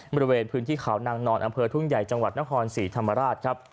บริเวณพื้นที่เขานางนอนอำเภอทุ่งใหญ่จังหวัดนครศรีธรรมราชครับ